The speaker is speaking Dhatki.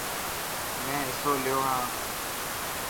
مين حصو ليو هان.